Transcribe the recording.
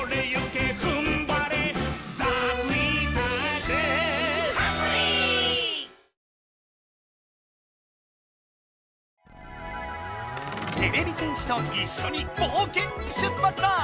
てれび戦士といっしょに冒険に出発だ！